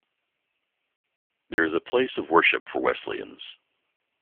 There is a place of worship for Wesleyans.